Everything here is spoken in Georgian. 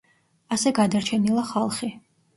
ასე გადარჩენილა ხალხი.